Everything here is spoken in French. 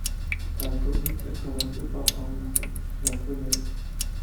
La commune est traversée par un ruisseau, la Semelle.